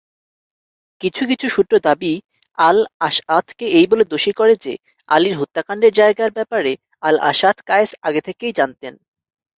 কিছু কিছু সূত্র দাবি আল-আশ’আথকে এই বলে দোষী করে যে আলীর হত্যাকাণ্ডের জায়গার ব্যাপারে আল-আশ’আথ কায়েস আগে থেকেই জানতেন।